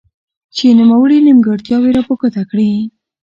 چې نوموړي نيمګړتياوي را په ګوته کړي.